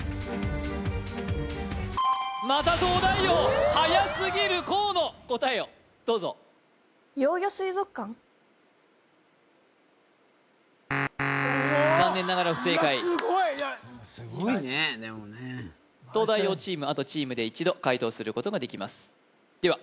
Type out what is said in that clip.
また東大王はやすぎる河野答えをどうぞ残念ながら不正解すごいいやすごいねでもね東大王チームあとチームで一度解答することができますでは